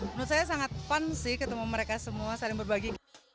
menurut saya sangat fun sih ketemu mereka semua saling berbagi